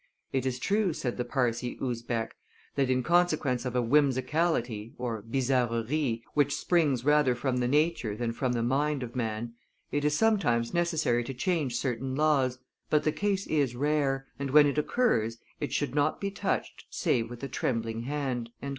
"It is true," said the Parsee Usbeck, "that, in consequence of a whimsicality (bizarrerie) which springs rather from the nature than from the mind of man, it is sometimes necessary to change certain laws; but the case is rare, and, when it occurs, it should not be touched save with a trembling hand."